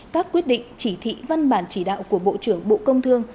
các quyết định chỉ thị văn bản chỉ đạo của bộ trưởng bộ công thương